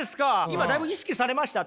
今だいぶ意識されました？